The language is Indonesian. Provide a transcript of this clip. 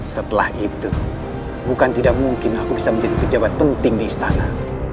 setelah itu bukan tidak mungkin aku bisa menjadi pejabat penting di istana